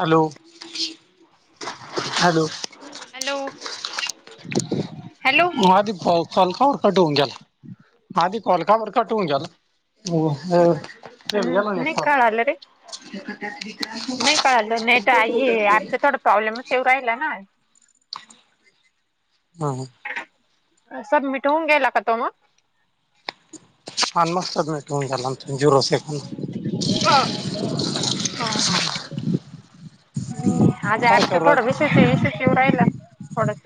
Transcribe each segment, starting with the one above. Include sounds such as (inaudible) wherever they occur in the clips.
Hello hello. Hello hello. म अधदी खल कार काट होऊन गेला. आधी कॉल का बरं कट होऊन गेला? हा फेल गेला मग नाही कॉल कळाल रे (inaudible) नाही कळलं नेट आहे ये, आजच थोडं प्रॉब्लेमच येव राहिला ना. हा हा. सर मिटवून गेला का तो मग? हा मस्त भेटून गेला अन तो झिरो सेकंड. हां. हां हां. हं. आज काय आजच करू थोडं राज विशेष. शिवरायला थोडस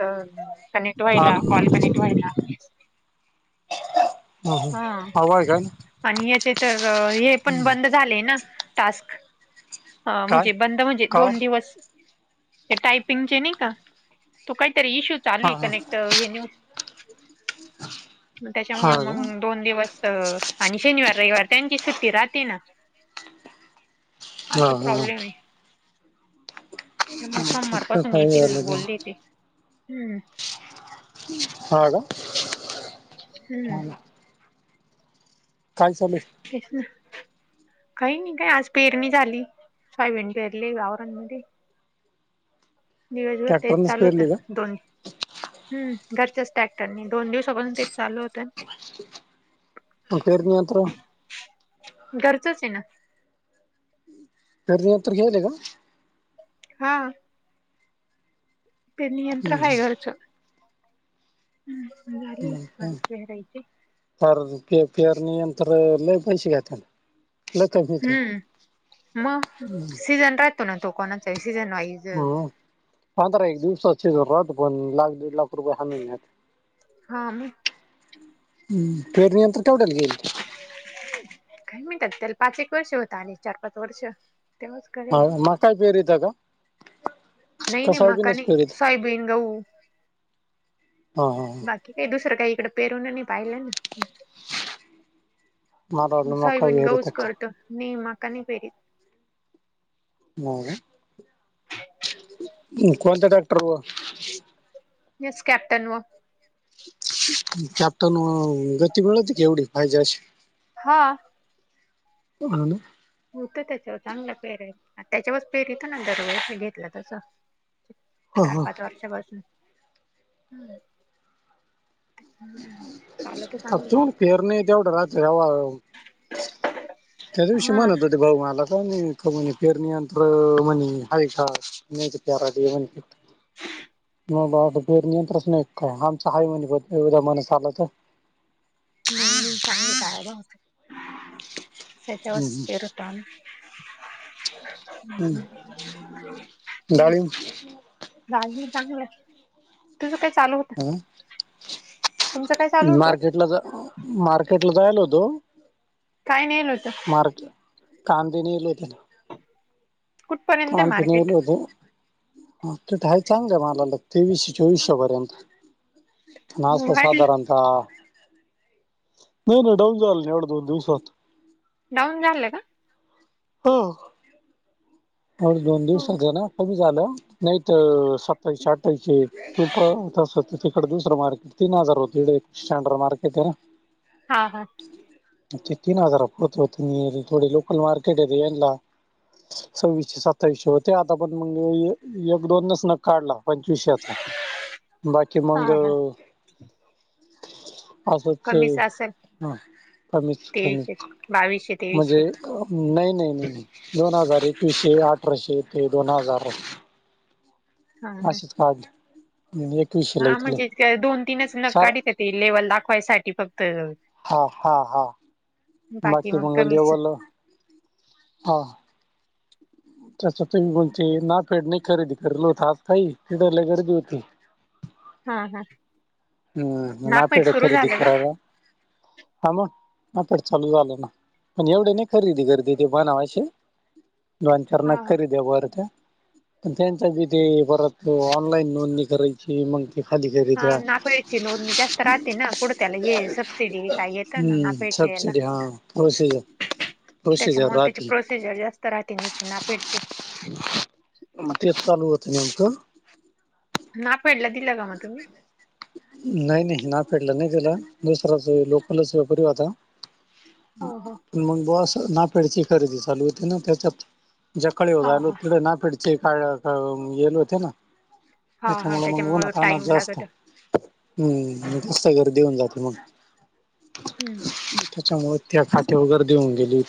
कनेक्ट हा व्हायला, ना कॉल कनेक्ट व्हायला. हा हवं आहे काय आणि याचे तर हे पण बंदच. झाले ना टास्क, अ काय म्हणजे बंद म्हणजे दोन कार दिवस. ते टायपिंगचे नाही का तू काहीतरी इश्यू चालू हा आहे हा कनेक्ट हे न्यूज मग हा त्याच्यामुळ का मगं. दोन दिवस आणि, शनिवार रविवार त्यांची सुट्टी राहते ना. हा असं हा प्रॉब्लेम आहे. ते म सोमवार फक्त पासून काय येतील झालं बोलले ते हम्म. हा का? हम्म. काय चालुये? (unintelligible) काही नाही काय आज पेरणी झाली, सोयाबीन पेरली वावराणमध्ये. दिवसभर ते ट्रॅक्टरनेच चालू पेरली होत का दोन. हम्म घरच्याच ट्रॅक्टरनी दोन दिवसापासून तेच चालू होत ना. म पेरन आत्र घरचंच आहे ना, ते धर उत्तर घेऊ दे का? हां. पेरणी यंत्र आहे हम्म घरचं. हम्म हो ला हं पेर पेरणी यंत्र लय पैशे घेतान. हम्म मग सीझन राहतो ना तो कोणाचा सीझन वाईज. हम्म पंधरा एक दिवसाचे राहत पण लाख दीड लाख रुपये ह्या महिन्यात. हां मग. हम्म पेरणी यंत्र केवढ्याला गेईल? काय माहीत आता त्याला, पाच एक वर्ष होत आले, चार पाच वर्ष. तेव्हाच हा करेल मकाय पेरीता का? नाहीय का नाही मका सोयाबीनच नाही, पेरीता सोयाबीन गहू हा हा बाकी. ते दुसरं काय इकड पेरून नाही पाहिलं ना. मला वाटलं मका सायबीन पेरीता गऊज काय करत, ने माका नाही पेरीत. हो का कोणत डाक्टरमूळं येस कॅप्टन व कॅप्टन गती मिळतते क एवढी पायजशी. हा. तू (unintelligible) होतय त्याच्यावर चांगला पेरायच त्याच्यावरच पेरी पण दरवर्षी घेतलं तर चालतंय. (inaudible) चार, पाच वर्षापासून हम्म. चाल तर चांगलं (unintelligible) पेरणी तेवढी राहते (unintelligible) त्या दिवशी हा म्हणत होते भाऊ मला, काही नाही का म्हणे पेरणी यंत्र आहे का? (unintelligible) (unintelligible) पेरणी यंत्र नाहीच काय आमचं हाय म्हणे पेरण्या माणसं आलं तर. नाही नाही चांगल (unintelligible) त्याच्यावरच हम्म पेरू (unintelligible) माझं बी चांगलय तुझ काय चालू अं? तुमचं काय चालू होतं मार्केटला जाय, मार्केटला जायलो तो काय नेल होतं (unintelligible) कांदे नेले होते ना. कुठपर्यंत आहे आमचं मार्केट (unintelligible) तिथं आहे चांगल्या माला ला तेवीशे, चोवीसशे पर्यंत नाय त वाढ साधारणता नई नई डाऊन झालं नाही एवढं दोन दिवसात. डाऊन झाल का? हो. ह्याच दोन दिवसात ये ना कमी झालं नाहीत सत्तावीसशे, अठाविशे (unintelligible) तिकडं दुसरं मार्केट तीन हजार होत एक स्टँडर्ड मार्केट आहे ना. हा. हा. ते तीन हजारात पोतं होतं ही थोडं लोकल मार्केट होतं यांला. सव्वीसशे, सत्तावीसशे होत आता पण मंग एक, दोनच नग काढला. पंचवीशे बाकी हा मंग, हा असंच कमीच असेल ह कमीच कमी तेवीसशे बावीसशे म्हणजे, तेवीसशे नई नई नई नई. दोन हजार, एकविसशे, अठराशे, ते दोन हजार. हा हा असंच (unintelligible) हा, म्हणजे त्या दोन तीनच नग काढीत्या ते लेवल दाखवायसाठी फक्त. हा हा हा. बाकी मग मंग कमीच लेवलं हो. (unintelligible) खरेदी करलो होतो आपण तिथं लई गर्दी होती. हा हा. हम्म. नापेड नाफेड सुरू खरेदी झालं का करावा हा मग नाफेड चालू झालं ना. म्हणजे एवढी नाही खरेदी करते म्हणाव अशी दोन, चार नग हा खरेदी कर त्या. त्यांच्या बी ते परत ऑनलाईन नोंदणी करायची मंग ते खाली करीत्या. ची नोंदणी जास्त राहते, ना पुढ त्याला हे सबसिडी काय येतं ना हम्म नाफेडच्या याला (unintelligible) प्रोसिजर त्याच्यामुळ त्याची राहते प्रोसिजर जास्त राहते नि नाफेडची. मग, तेच चालू होत नेमकं नाफेडला दिलं का मग तुम्ही? नई नई नाफेडला नई दिला दुसराच लोकलच व्यापारी होता. हो हो मग, बस नाफेडची खरेदी चालू होती ना त्याच्यात हा हा (unintelligible) पुढे नाफेड चे काय काय गेलो होतो ना. हा हा त्याच्यामुळ मग, त्याच्यामुळे उन्हातान्हात टाइम जास्त. लागत हम्म जास्त गर्दी होऊन जाते मग. हम्म त्या खात्यावर गर्दी होऊन गेली.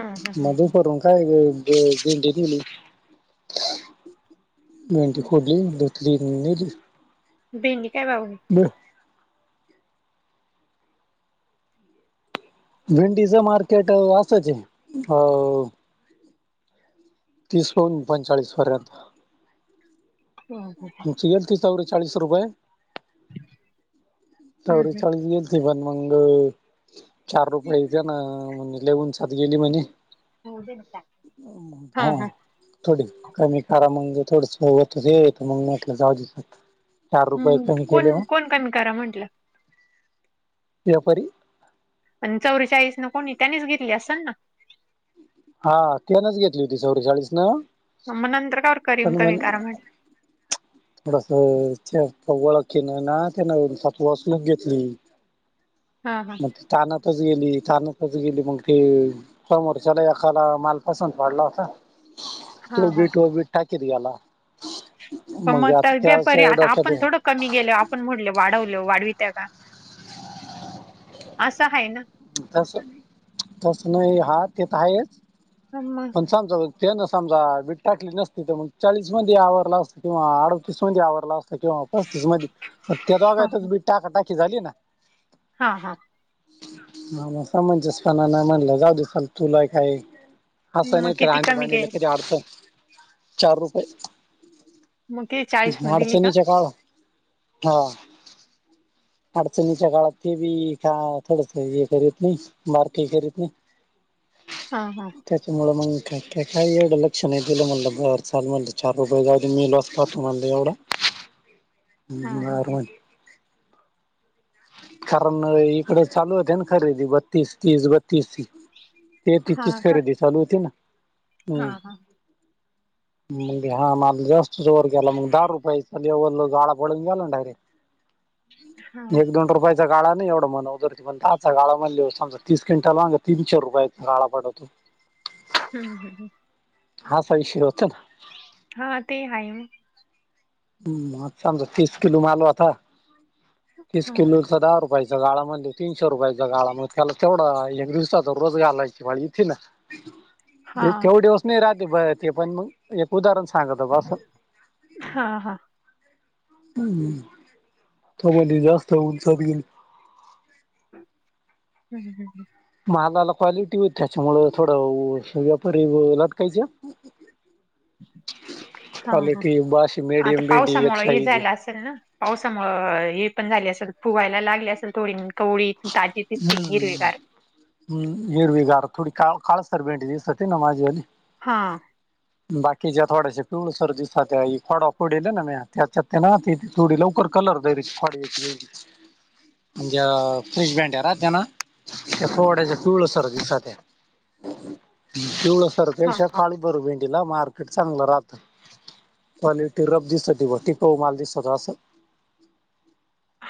हम्म हम्म मग दुपारून काय भेंडी दिली. नाही ते हम्म खोदलयं (unintelligible) भेंडी काय भाव हाय? बीड भेंडीच मार्केट असंच आहे. अ तीस लोन पंचाळीस पर्यंत? हो हो. मग ती गेलती चौरेचाळीस रुपये? चवरे हम्म चाळीस गेल त पण मंग चार रुपयेत ना म्हण लउनच. आत गेली म्हणे, हम्म हम्म हा. थोडी कमी करा म्हणजे थोडासा (unintelligible) तुझे येते मग म्हटलं जाऊ दे. चार रुपये हम्म कमी कोण केले मग कोण कमी करा म्हंटलं? व्यापारी. आणि चौरेचाळीस ना कोणी त्यानीच घेतली असल ना? हा त्यानच घेतली होती चौरेचाळीस न. मग, नंतर कावर करीन पण कमी म्हण करा म्हणल. थोडस ओळख केन ना त्यांन सात वासलून घेतली. हा हा मग ते तानातच गेली तानातच गेली मग ते. समोरच्याला एकाला माल पसंद पडला होता, हा तो हा बी बी टाकीत गेला. प मग आता व्यापारी त्याच्या आता डोक्यात आपण थोडं. कमी गेल आपण म्हणलो वाढवल वाढवित्या का असं आहे ना. तसं तसं नाही हा ते तर आहेच. हम मग. पण, समजा त्यान समजा वीट टाकली नसती तर मग, चाळीस मध्ये आवरला असतं किंवा अडतीस मध्ये आवरला असत. किंवा पस्तीस मध्ये त्या हा दोघातच बी टाका टाकी झाली ना. हा हा. हा म समनजस पणा नाही म्हणलं जाऊदे चल तुलाय काय असं मग नाही, तर किती आणी कमी बाणीला केल कधी अडचण चार रुपये. मग किती चाळीस न दिली का अडचणीच्या काळात. हा अडचणीच्या काळात ते बी का थोड. काय ये करीत नाही मार्क ही करीत नाही. हा हा. त्याच्यामुळे मग काय काही एवढं लक्ष नाही दिलं म्हटलं बर चार रुपये जाऊ मेलो. पात म्हनल ऐवढा. हम्म. हम्म. हा कारण, इकड चालू होते ना खरेदी बत्तीस, तीस बत्तीस तीस. ते हा तिचिस हा का खरेदी चालू होती ना हा म्हणून. हा मग, हा माल जास्त वर गेला मग, दहा रुपयाचा लेव्हल झाला ना डायरेक्ट. हा हम्म एक दोन. रुपयाचा गाळा नाही एवढ म्हण उतरती पण, दहाचा गाळा म्हणलेवर तीस क्विंटलला माग तीनशे रुपयाचा गाळा पडतो. हम्म. हम्म. ह ह. असा विशय होतं न हा ते आहोत. हम्म आता समजा तीस किलो माल होता तीस हा किलो तो दहा रुपयाचा गाळा म्हणजे तीनशे रुपयाचा गाळा म त्याला तेवढा हा एक दिवसाचा रोजगार घालायलाची इथे ना. ते हा थयो दिवस नाही राहते बाइ ते पण मंग. एक उदाहरण सांगतं बस हा हा हा हम्म. तुम्हाले जास्त उंच होईल. हम्म हम्म हम्म. महालाला क्वालिटी होतं त्याच्यामुळं थोडं व्यापारी लटकायचं. हा हा क्वालिटी बाशी मीडियम भिंडी एक साईज. तल ना पावसामुळे हे पण झाले असेल फुगायला लागले असेल थोडी कवळी ताजी दिसती हम्म. हिरविगार. हम्म. हिरवी गार, थोडी का काळसर भेडी दिसते ना माझीवाली. हा. बाकी ज्या थोड्याश्या पिवळसर दिसात फडा पडले ना म त्याच्यात ना ती थोडी लवकर कलर दे पाणी होईल, आणि त्या (unintelligible) राहत्या ना ते थोड्याशा पिवळं सर दिसत आहे. पिवळसर हा पेक्षा काळी भर भेंडीला मार्केट चांगलं राहतंय. क्वालिटी रब दिसती ब टिकऊ माल दिसतं असं.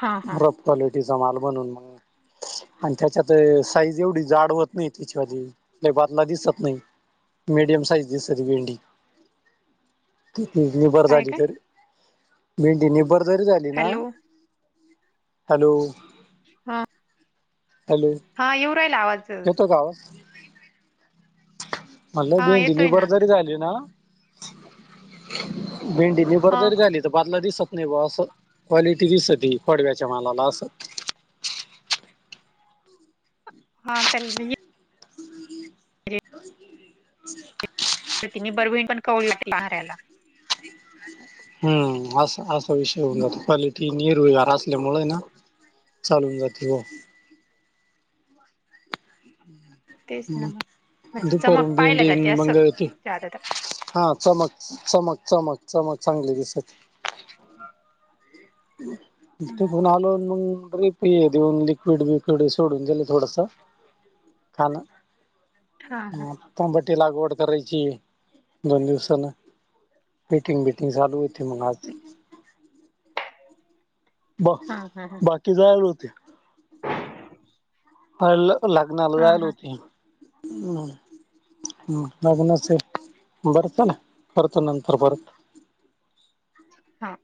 हा हा रफ क्वालिटीचा माल बनवून मग. आणि त्याच्यात साईज एवढी जाड होत नाही (unintelligible) लय बादला दिसत नाही. मीडिम सईज दिसते भेंडी. किती निभर काय झाली काय तर, भेंडी निभर जरी झाली ना. Hello hello. हां. हॅलो येतोय का आवाज? हॅलो हा भेंडी येतोय ना निभरजरी झाली ना हा निबरजरी झाली ते बादला दिसत नाही बा असं क्वालिटी दिसती पडव्याच्या मलाला असं. हा त्यांनी ही (inaudible) ति मी बरवहीण पण कवळी वाटते पहारयला. हम्म असं असा विषय होऊन जातो क्वालिटी निरुडार असल्यामुळे ना. चालून जाते हो. तेच हम्म ना मग म्हणजे चमक दुपारहून पाहायला भेंडी जाते असं मग ते जादा तर हा चमक. चमक चमक चमक चांगले दिसती. (inaudible) ते हा पून आलो अन मग रेप देऊन लिक्विड बिक्विड सोडून गेलं थोडस. खा ना. हा तंबाटी लागवड करायची, दोन दिवसान. मीटिंग बीटिंग चालू होती मग आज. ब हा हा बाकी जायला होते. (inaudible) हाय ल लग्नाला हा जायला होतो हा की हम्म. हा लग्नाचे बर चला, करतो नंतर परत. हा.